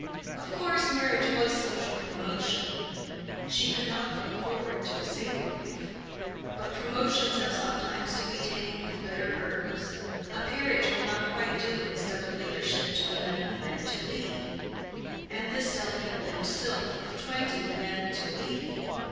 Of course marriage was social promotion; she could not look forward to a single life; but promotions have sometimes to be taken with bitter herbs—a peerage will not quite do instead of leadership to the man who meant to lead; and this delicate limbed sylph of twenty meant to lead.